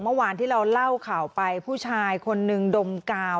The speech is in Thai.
เมื่อวานที่เราเล่าข่าวไปผู้ชายคนนึงดมกาว